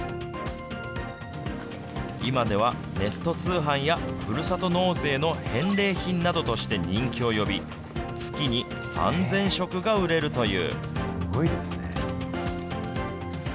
今ではネット通販や、ふるさと納税の返礼品などとして人気を呼び、月に３０００食が売れるという。